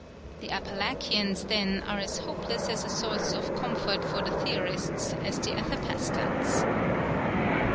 The Apalachians then are as hopeless as a source of comfort for the theorists as the Athapascans.